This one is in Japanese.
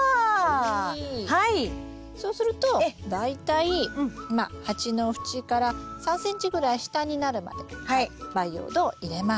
そうすると大体鉢の縁から３ｃｍぐらい下になるまで培養土を入れます。